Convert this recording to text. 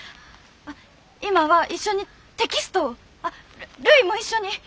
あっ今は一緒にテキストをあっるいも一緒に！